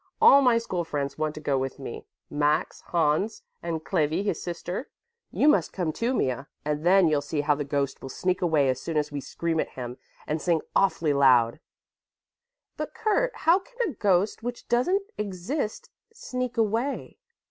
All my school friends want to go with me; Max, Hans and Clevi, his sister. You must come, too, Mea, and then you'll see how the ghost will sneak away as soon as we scream at him and sing awfully loud." "But, Kurt, how can a ghost, which doesn't exist, sneak away?"